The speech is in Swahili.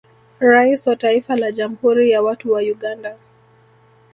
Rais wa Taifa la jamhuri ya watu wa Uganda